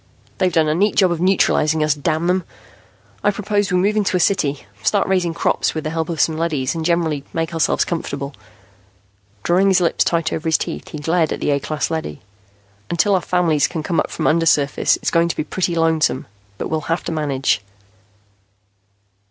"They've done a neat job of neutralizing us, damn them. I propose we move into a city, start raising crops with the help of some leadys, and generally make ourselves comfortable." Drawing his lips tight over his teeth, he glared at the A class leady. "Until our families can come up from undersurface, it's going to be pretty lonesome, but we'll have to manage."